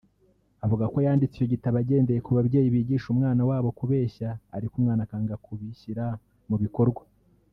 Avuga ko yanditse icyo gitabo agendeye ku babyeyi bigisha umwana wabo kubeshya ariko umwana akanga kubishyira mu bikorwa